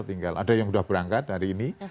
tinggal ada yang sudah berangkat hari ini